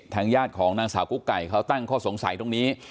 ญาติของนางสาวกุ๊กไก่เขาตั้งข้อสงสัยตรงนี้